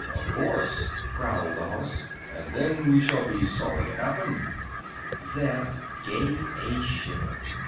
"Of course," growled the horse; "and then we shall be sorry it happened." Zeb gave a shiver.